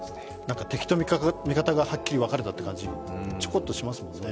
敵と味方がはっきり分かれたという感じ、ちょこっとしますね。